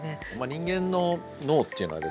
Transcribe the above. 人間の脳っていうのはですね